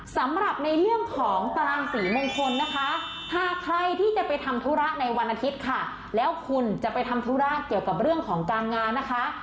สำหรับในเรื่องของตารางศรีมงคลนะคะหากใครที่จะไปทำธุระในวันอาทิตย์ค่ะแล้วคุณจะไปทำธุระเกี่ยวกับเรื่องของการงานนะคะ